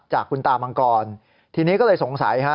คุณตามังกรทีนี้ก็เลยสงสัยฮะ